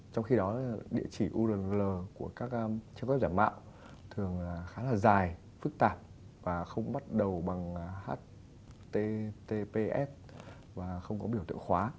trong khi đó địa chỉ url của các trang web giả mạo thường khá là dài phức tạp và không bắt đầu bằng https và không có biểu tượng khóa